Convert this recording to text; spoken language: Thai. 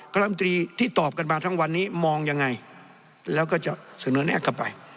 กรรมตรีที่ตอบกันมาทั้งวันนี้มองยังไงแล้วก็จะเสนอแน่เข้าไป